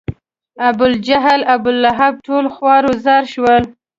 ابوجهل، ابولهب ټول خوار و زار شول.